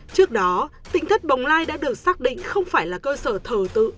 trước đó tính thất bồng lai đã được xác định không phải là cơ sở thờ tự